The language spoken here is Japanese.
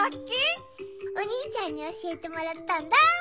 おにいちゃんにおしえてもらったんだ。